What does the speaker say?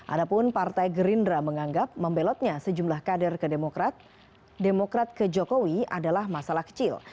adapun partai gerindra menganggap membelotnya sejumlah kader ke demokrat demokrat ke jokowi adalah masalah kecil